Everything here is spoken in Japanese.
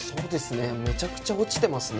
めちゃくちゃ落ちてますね。